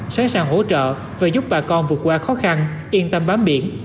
sẵn sàng hỗ trợ và giúp bà con vượt qua khó khăn yên tâm bám biển